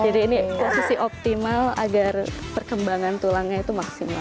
jadi ini posisi optimal agar perkembangan tulangnya itu maksimal